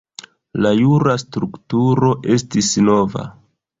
La jura strukturo estis nova.